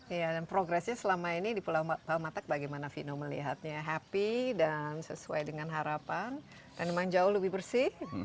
iya dan progresnya selama ini di pulau palmatak bagaimana vino melihatnya happy dan sesuai dengan harapan dan memang jauh lebih bersih